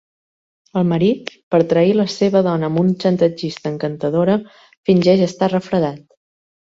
El marit, per trair la seva dona amb un xantatgista encantadora, fingeix estar refredat.